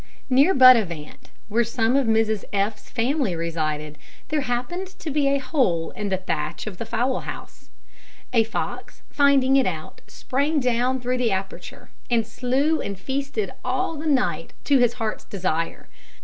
Near Buttevant, where some of Mrs F 's family resided, there happened to be a hole in the thatch of the fowl house. A fox, finding it out, sprang down through the aperture, and slew and feasted all the night to his heart's desire.